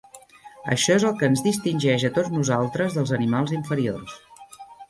Això es el que ens distingeix a tots nosaltres dels animals inferiors.